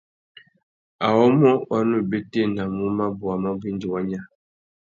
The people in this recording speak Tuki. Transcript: Awômô wa nu bétēnamú mabôwa mabú indi wa nya.